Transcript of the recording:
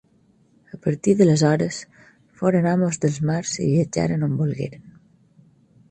A partir d'aleshores, foren amos dels mars i viatjaren on volgueren.